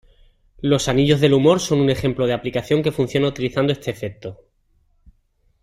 Los anillos del humor son un ejemplo de aplicación que funciona utilizando este efecto.